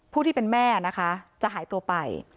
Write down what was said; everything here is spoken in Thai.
ที่เป็นแม่นะคะจะหายตัวไป